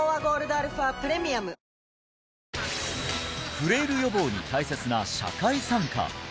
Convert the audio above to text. フレイル予防に大切な社会参加